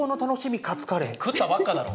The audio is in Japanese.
食ったばっかだろ！